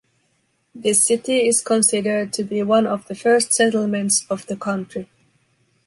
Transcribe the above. This city is considered to be one of the first settlements of the country.